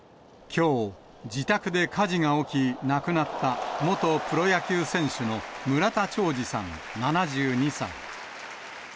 きょう、自宅で火事が起き、亡くなった、元プロ野球選手の村田兆治さん７２歳。